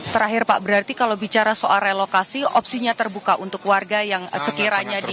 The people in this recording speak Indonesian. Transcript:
terakhir pak berarti kalau bicara soal relokasi opsinya terbuka untuk warga yang sekiranya di